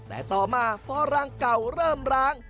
แต่ต่อมาพอรังเก่าเริ่มร้าง